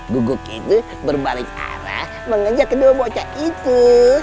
guguk itu berbalik arah mengajak kedua bocah itu